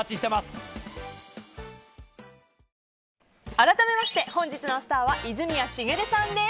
改めまして本日のスターは泉谷しげるさんです。